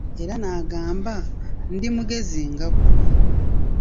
Era n'agamba, ndi mugezi nga ggwe.